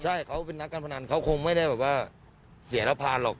ใช่เขาเป็นนักการพนันเขาคงไม่ได้แบบว่าเสียสะพานหรอก